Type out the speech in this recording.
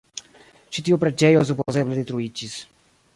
Ĉi tiu preĝejo supozeble detruiĝis.